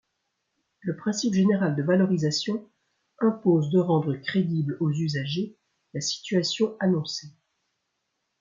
Le principe général de valorisation impose de rendre crédible aux usagers la situation annoncée.